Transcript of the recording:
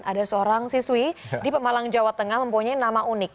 ada seorang siswi di pemalang jawa tengah mempunyai nama unik